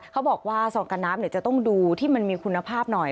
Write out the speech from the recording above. เขาบอกว่าซองกันน้ำจะต้องดูที่มันมีคุณภาพหน่อย